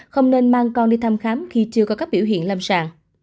không nên mang con đi thăm khám khi chưa có các biểu hiện lâm sàng